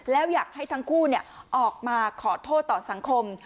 แล้วอยากให้ทั้งคู่ออกมาขอโทษต่อสังคม